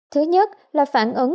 thứ nhất là phản ứng